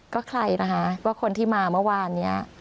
ก็ใครนะคะว่าคนที่มาเมื่อวานนี้